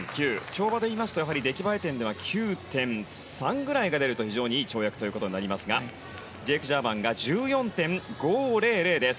跳馬でいいますと出来栄え点は９．３ぐらいが出ると非常にいい跳躍となりますがジェイク・ジャーマンが１４．５００です。